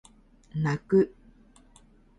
泣く